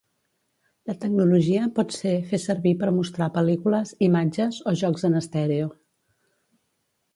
La tecnologia pot ser fer servir per mostrar pel·lícules, imatges o jocs en estèreo.